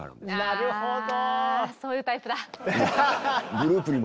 なるほど。